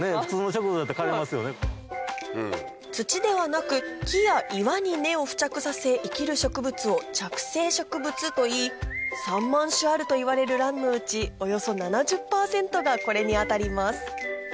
土ではなく木や岩に根を付着させ生きる植物を着生植物といい３万種あるといわれる蘭のうちおよそ７０％がこれに当たります